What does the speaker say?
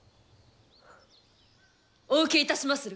お受けいたしまする。